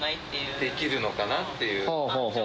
できるのかなっていう。